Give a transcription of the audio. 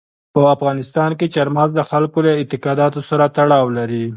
په افغانستان کې چار مغز د خلکو له اعتقاداتو سره تړاو لري.